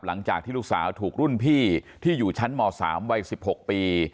หลังจากที่ลูกสาวถูกรุ่นพี่ที่อยู่ชั้นม๓วัย๑๖ปี